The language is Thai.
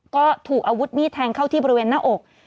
ก็ถูกอาวุธมีดแทงเข้าที่บริเวณหน้าอก